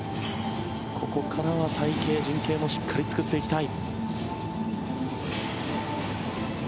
ここからは隊形、陣形もしっかり作っていきたい。